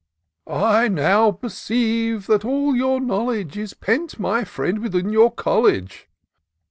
" I now perceive that all your knowledge Is pent, my £riend, within your college